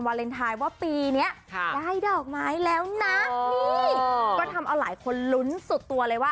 ว่าปีเนี้ยครับได้ดอกไม้แล้วน่ะนี่ก็ทำเอ๋าหลายคนลุ้นสุดตัว